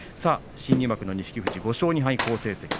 新入幕の錦富士、５勝２敗好成績。